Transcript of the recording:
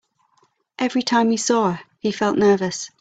Every time he saw her, he felt nervous.